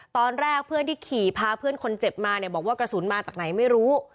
ตอนแรกเพื่อนที่ขี่พาเพื่อนคนเจ็บมาเนี่ยบอกว่ากระสุนมาจากไหนไม่รู้